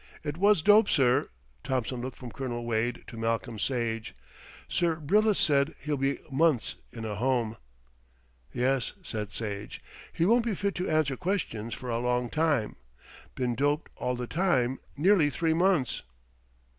"It was dope, sir." Thompson looked from Colonel Walton to Malcolm Sage. "Sir Bryllith said he'll be months in a home." "Yes," said Sage. "He won't be fit to answer questions for a long time. Been doped all the time, nearly three months."